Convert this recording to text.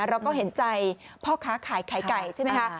เราก็เห็นใจพ่อค้าขายไข่ไก่ใช่ไหมคะ